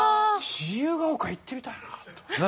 自由が丘行ってみたいなと。